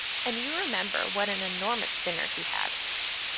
And you remember what an enormous dinner he had.